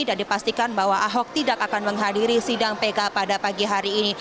dan dipastikan bahwa ahok tidak akan menghadiri sidang pk pada pagi hari ini